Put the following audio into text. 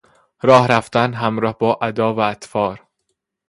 راه رفتن همراه با ادا و اطوار